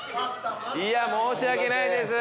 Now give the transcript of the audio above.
いや申し訳ないです。